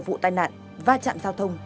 vụ tai nạn và trạm giao thông